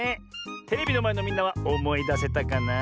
テレビのまえのみんなはおもいだせたかな？